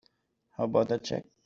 How about that check?